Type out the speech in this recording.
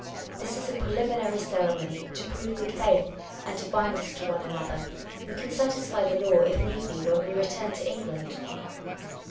This i.s a pre liminary ceremony to prove good faith, and to bind us to one another. We can satisfy the law, if need be, when we return to England."